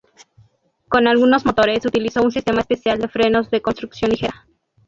Con algunos motores se utilizó un sistema especial de frenos de construcción ligera.